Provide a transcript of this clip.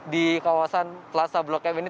di kawasan plaza blok m ini